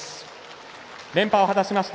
連覇を果たしました。